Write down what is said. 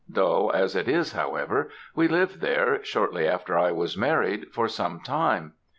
Dull as it is, however, we lived there shortly after I was married, for some time.